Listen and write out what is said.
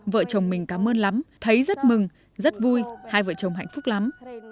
vợ chồng mình cảm ơn lắm thấy rất mừng rất vui hai vợ chồng hạnh phúc lắm